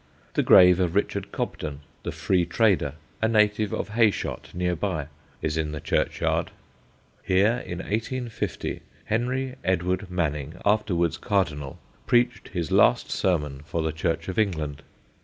The grave of Richard Cobden, the Free Trader, a native of Heyshott, near by, is in the churchyard. Here, in 1850, Henry Edward Manning, afterwards Cardinal, preached his last sermon for the Church of England.